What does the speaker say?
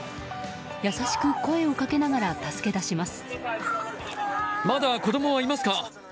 優しく声をかけながら助け出します。